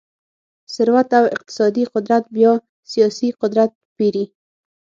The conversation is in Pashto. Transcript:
ثروت او اقتصادي قدرت بیا سیاسي قدرت پېري.